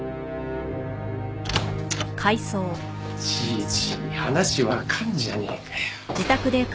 ジジイ話わかんじゃねえかよ。